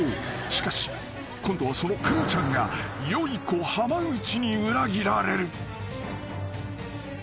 ［しかし今度はそのクロちゃんがよゐこ濱口に裏切られる］